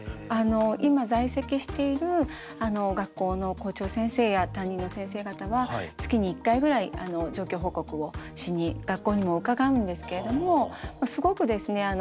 今在籍している学校の校長先生や担任の先生方は月に一回ぐらい状況報告をしに学校にも伺うんですけれどもすごくですね